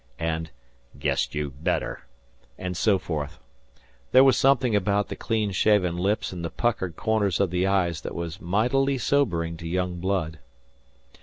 and "Guess you'd better," and so forth. There was something about the clean shaven lips and the puckered corners of the eyes that was mightily sobering to young blood.